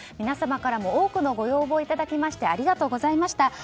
皆様からも、多くのご要望をいただきましてありがとうございました。